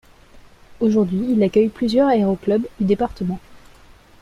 Aujourd’hui il accueille plusieurs aéroclubs du département.